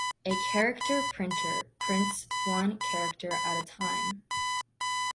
A character printer prints one character at a time.